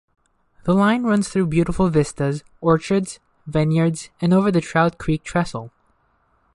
The line runs through beautiful vistas, orchards, vineyards, and over the Trout Creek Trestle.